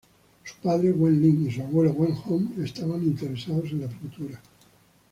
Su padre Wen Lin y su abuelo Wen Hong estaban interesados en la pintura.